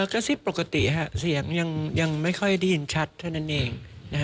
กระซิบปกติเสียงยังไม่ค่อยได้ยินชัดเท่านั้นเอง